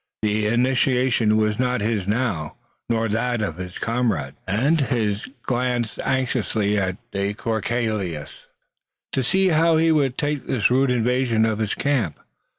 The initiative was not his now, nor that of his comrades, and he glanced anxiously at de Courcelles to see how he would take this rude invasion of his camp.